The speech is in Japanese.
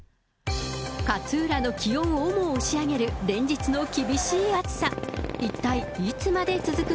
勝浦の気温をも押し上げる連日の厳しい暑さ。